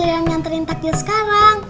yang nganterin takjil sekarang